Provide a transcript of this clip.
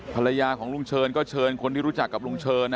ภรรยาของลุงเชิญก็เชิญคนที่รู้จักกับลุงเชิญ